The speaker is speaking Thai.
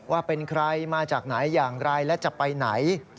ว่าเป็นใครมาจากไหนอย่างไรและจะไปไหน